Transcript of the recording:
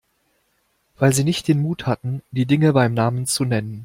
Weil Sie nicht den Mut hatten, die Dinge beim Namen zu nennen.